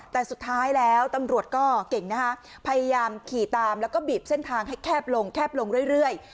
แต่สุดท้ายแล้วตำรวจก็เก่งนะคะพยายามขี่ตามแล้วก็บีบเส้นทางให้แคบลงแคบลงเรื่อย